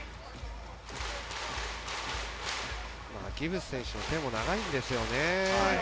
ギブス選手の手が長いんですよね。